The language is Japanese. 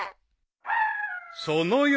［その夜］